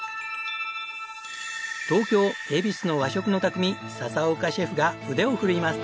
東京恵比寿の和食の匠笹岡シェフが腕を振るいます！